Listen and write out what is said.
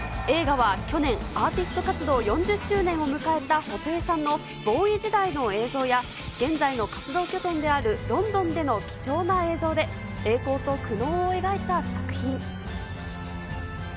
映画は去年、アーティスト活動４０周年を迎えた布袋さんのボウイ時代の映像や、現在の活動拠点であるロンドンでの貴重な映像で、栄光と苦悩を描いた作品。